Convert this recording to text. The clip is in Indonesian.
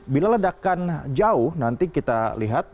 bila ledakan jauh nanti kita lihat